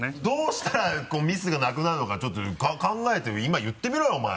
どうしたらミスがなくなるのかちょっと考えて今言ってみろよ！